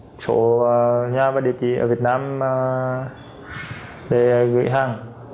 sau đó gửi cho bì hải số nhà và địa chỉ ở việt nam để gửi hàng